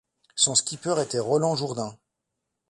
Son skipper était Roland Jourdain.